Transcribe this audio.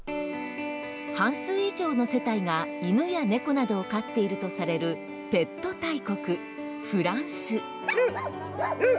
半数以上の世帯が犬や猫などを飼っているとされるペット大国フランス。